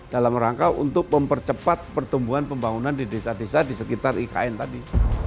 dalam rangka untuk mempercepat pertumbuhan pembangunan di desa desa di sekitar ikn tadi